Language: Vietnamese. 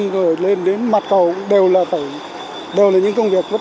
rồi lên đến mặt cầu đều là những công việc vất vả